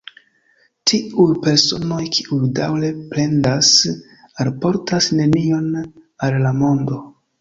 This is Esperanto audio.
Tiuj personoj, kiuj daŭre plendas, alportas nenion al la mondo.